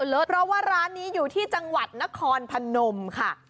เพราะว่าร้านนี้อยู่ที่จังหวัดนครพนมค่ะ